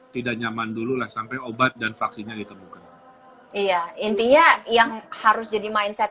tidak nyaman dulu lah sampai obat dan vaksinnya ditemukan iya intinya yang harus jadi mindset